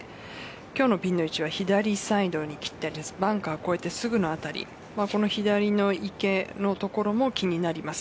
今日のピンの位置は左サイドにきてバンカー越えてすぐの辺りこの左の池の所も気になります。